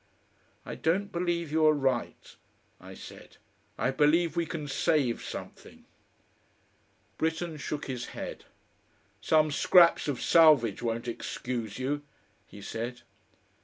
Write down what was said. "I don't believe you are right," I said. "I believe we can save something " Britten shook his head. "Some scraps of salvage won't excuse you," he said.